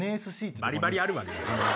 バリバリあるわ！